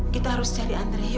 kita harus cari andre yuk